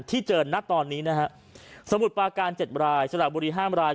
ที่เจอนักตอนนี้นะฮะสมุดปาการเจ็ดรายสละบุรีห้ามราย